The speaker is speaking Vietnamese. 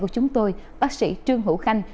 của chúng tôi bác sĩ trương hữu khanh